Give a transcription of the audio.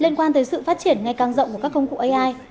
liên quan tới sự phát triển ngày càng rộng của các công cụ ai